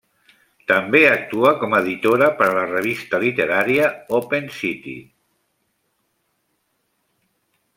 També actua com a editora per a la revista literària Open City.